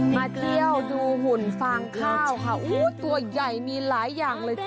มาเที่ยวดูหุ่นฟางข้าวค่ะโอ้ตัวใหญ่มีหลายอย่างเลย